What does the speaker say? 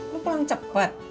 lu pulang cepet